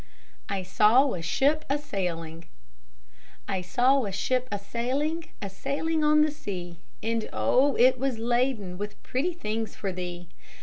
I SAW A SHIP A SAILING I saw a ship a sailing, A sailing on the sea; And, oh! it was all laden With pretty things for thee!